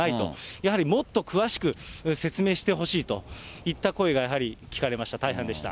やはりもっと詳しく説明してほしいといった声が、やはり聞かれました、大変でした。